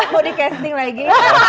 mau di casting lagi